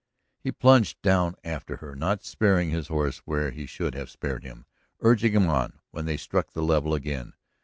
He plunged down after her, not sparing his horse where he should have spared him, urging him on when they struck the level again.